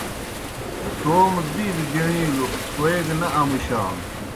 توموْ دِیلوْ گِݨِیلوْ کوئے گہ نہ امُشانوْ۔